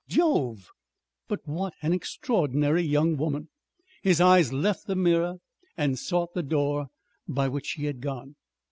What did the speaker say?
_ Jove! But what an extraordinary young woman!" His eyes left the mirror and sought the door by which she had gone.